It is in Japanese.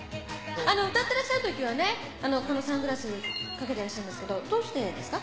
歌ってらっしゃるときはね、このサングラスかけてらっしゃるんですけど、どうしてですか？